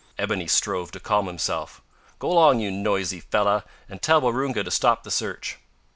Ebony strove to calm himself. "Go 'long, you noisy feller, an' tell Waroonga to stop the search."